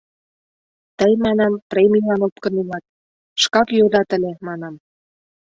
Тый, манам, премийлан опкын улат, шкак йодат ыле, манам.